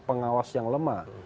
pengawas yang lemah